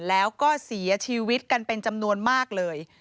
แล้วก็เสียชีวิตกันเป็นจำนวนมากเลย